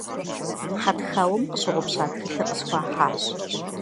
Хьэтхауэм къыщыгъупща тхылъыр къысхуахьащ.